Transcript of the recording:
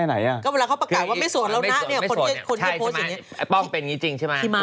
หนึ่งอื่นนี้ตบจริง